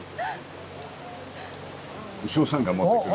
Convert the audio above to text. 鵜匠さんが持ってくる。